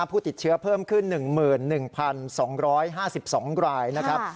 ผู้ติดเชื้อเพิ่มขึ้น๑๑๒๕๒รายนะครับ